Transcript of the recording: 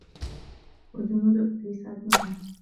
وَجُنودُ إِبليسَ أَجمَعونَ